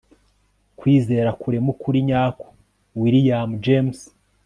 kwizera kurema ukuri nyako. - william james